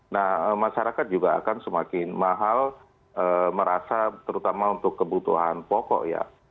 nah masyarakat juga akan semakin mahal merasa terutama untuk kebutuhan pokok ya